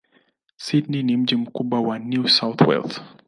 Sydney ni mji mkubwa wa New South Wales.